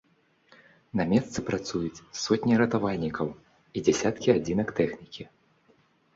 На месцы працуюць сотні ратавальнікаў і дзясяткі адзінак тэхнікі.